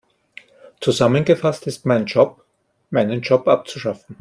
Zusammengefasst ist mein Job, meinen Job abzuschaffen.